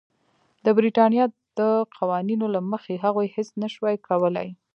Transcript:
د برېټانیا د قوانینو له مخې هغوی هېڅ نه شوای کولای.